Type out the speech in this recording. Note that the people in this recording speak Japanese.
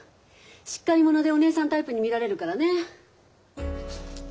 しっかり者でおねえさんタイプに見られるからね。